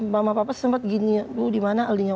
mama papa sempat gini lu dimana aldinya